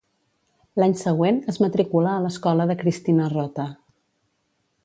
L'any següent es matricula a l'escola de Cristina Rota.